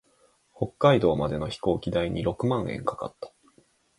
北海道までの飛行機代に六万円かかった。